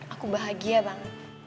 aku bahagia bang